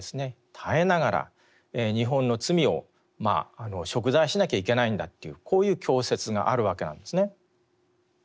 耐えながら日本の罪を贖罪しなきゃいけないんだというこういう教説があるわけなんですね。